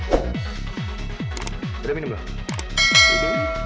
udah minum loh